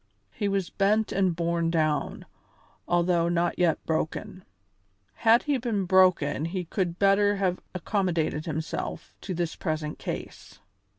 He was bent and borne down, although not yet broken. Had he been broken he could better have accommodated himself to his present case.